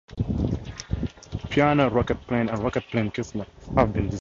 Pioneer Rocketplane and Rocketplane Kistler have been dissolved.